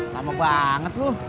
kamu banget lu